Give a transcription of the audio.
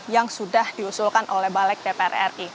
yang sudah diusulkan oleh balik dpr ri